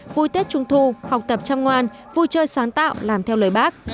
vui tết trung thu học tập chăm ngoan vui chơi sáng tạo làm theo lời bác